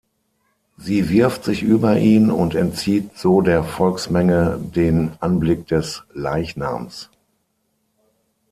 Sie wirft sich über ihn und entzieht so der Volksmenge den Anblick des Leichnams.